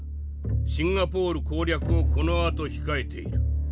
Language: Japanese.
シンガポール攻略をこのあと控えている。